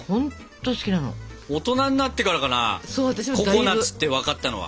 ココナツって分かったのは。